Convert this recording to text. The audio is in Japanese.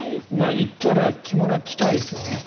行ったら着物は着たいですよね。